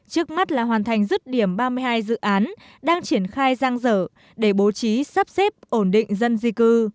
trước mắt là hoàn thành dứt điểm ba mươi hai dự án đang triển khai giang dở để bố trí sắp xếp ổn định dân di cư